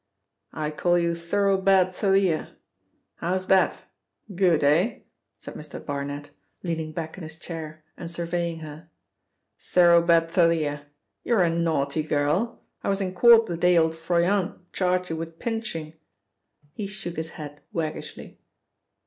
"I call you Thorough Bad Thalia. How's that? Good, eh?" said Mr. Barnet, leaning back in his chair and surveying her. "Thorough Bad Thalia! You're a naughty girl! I was in court the day old Froyant charged you with pinching!" He shook his head waggishly.